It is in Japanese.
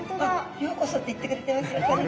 「ようこそ」って言ってくれてますよ。